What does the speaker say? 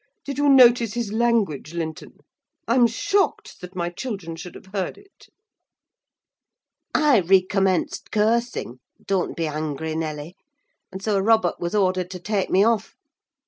Did you notice his language, Linton? I'm shocked that my children should have heard it.' "I recommenced cursing—don't be angry, Nelly—and so Robert was ordered to take me off.